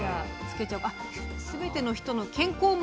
「すべての人の健康も」